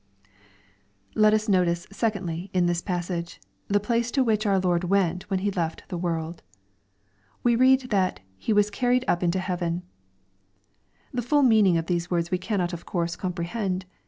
Let us notice, secondly, in this passage, (he place to which our Lord went when He left the world. We read that " He was carried up into heaven." The full meaning of these words we cannot of course comprehend.